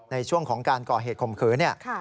ในช่วงของก่อเหตุข่มเค้า